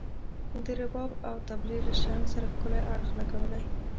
د رباب او طبلي له شرنګ سره ښکلی اړخ لګولی.